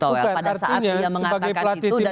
bukan artinya sebagai pelatih tim nasional